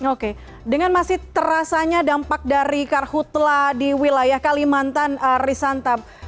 oke dengan masih terasanya dampak dari karhutlah di wilayah kalimantan risantap